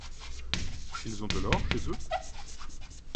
Ils ont de l'or chez eux ?